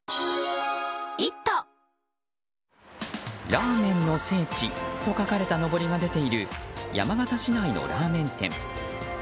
ラーメンの聖地と書かれたのぼりが出ている山形市内のラーメン店。